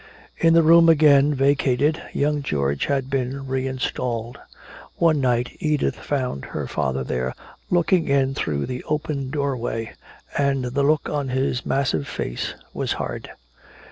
In the room again vacated, young George had been reinstalled. One night Edith found her father there looking in through the open doorway, and the look on his massive face was hard.